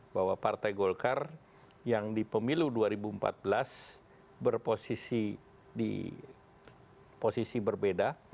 bahwa partai golkar yang di pemilu dua ribu empat belas berposisi di posisi berbeda